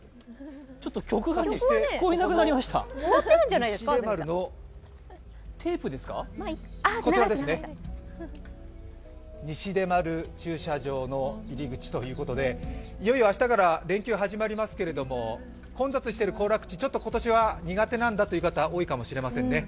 曲が聴こえなくなりました西出丸駐車場の入り口ということで、いよいよ明日から連休始まりますけれども混雑している行楽地、ちょっと今年は苦手なんだという方、多いかもしれませんね。